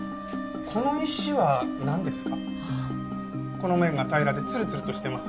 この面が平らでつるつるとしてます。